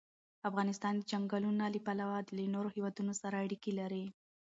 افغانستان د چنګلونه له پلوه له نورو هېوادونو سره اړیکې لري.